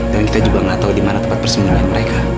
dan kita juga gak tau dimana tempat persembunyian mereka